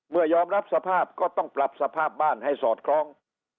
เมื่อยอมรับสภาพก็ต้องปรับสภาพบ้านให้สอดคล้อง